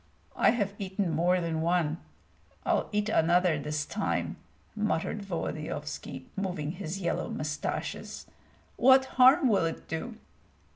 "I have eaten more than one; I'll eat another this time," muttered Volodyovski, moving his yellow mustaches. "What harm will it do?"